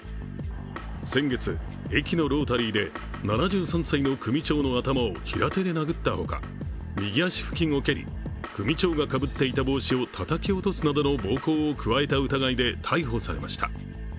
先月、駅のロータリーで７３歳の組長の頭を平手で殴ったほか、右足付近を蹴り、組長がかぶっていた帽子をたたき落とすなどの暴行を加えた疑いで逮捕されました。